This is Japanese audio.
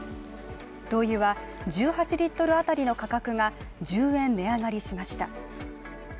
灯油は１８リットル当たりの価格が１０円値上がりしました。